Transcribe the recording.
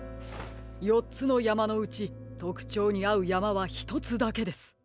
よっつのやまのうちとくちょうにあうやまはひとつだけです。